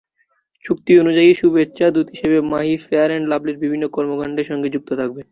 চুক্তি অনুযায়ী শুভেচ্ছাদূত হিসেবে মাহি ফেয়ার অ্যান্ড লাভলীর বিভিন্ন কর্মকাণ্ডের সঙ্গে যুক্ত থাকবেন।